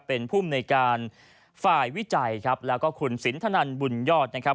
เป็นภูมิในการฝ่ายวิจัยครับแล้วก็คุณสินทนันบุญยอดนะครับ